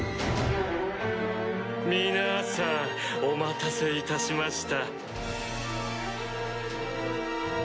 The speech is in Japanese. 皆さんお待たせいたしました。